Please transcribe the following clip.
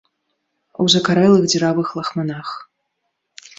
У закарэлых дзіравых лахманах.